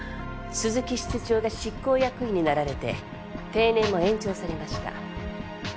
鈴木室長が執行役員になられて定年も延長されました。